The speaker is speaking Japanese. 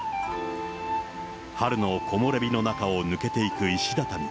春の木漏れ日の中を抜けていく石畳。